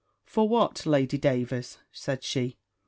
"For what, Lady Davers?" said she.